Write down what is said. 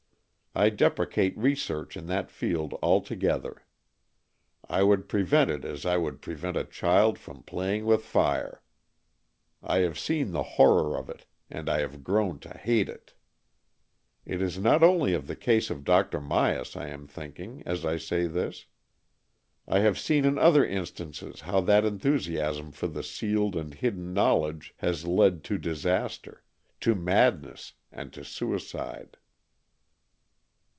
I deprecate research in that field altogether. I would prevent it as I would prevent a child from playing with fire. I have seen the horror of it, and I have grown to hate it. It is not only of the case of Dr. Myas I am thinking, as I say this. I have seen in other instances how that enthusiasm for the sealed and hidden knowledge has led to disaster — to madness and to suicide.